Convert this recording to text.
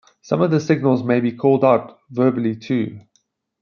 Some of the signals may be called out verbally too.